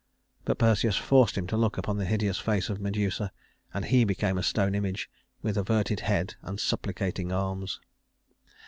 But Perseus forced him to look upon the hideous face of Medusa, and he became a stone image with averted head and supplicating arms.